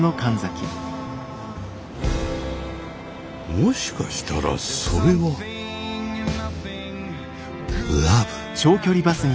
もしかしたらそれはラヴ！